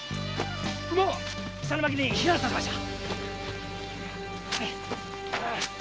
馬は「下の牧」に避難させました。